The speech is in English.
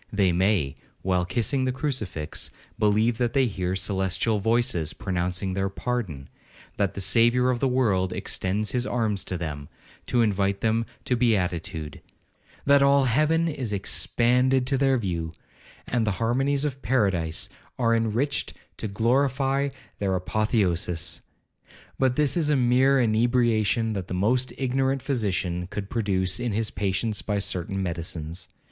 They may, while kissing the crucifix, believe that they hear celestial voices pronouncing their pardon; that the Saviour of the world extends his arms to them, to invite them to beatitude; that all heaven is expanded to their view, and the harmonies of paradise are enriched to glorify their apotheosis. But this is a mere inebriation that the most ignorant physician could produce in his patients by certain medicines.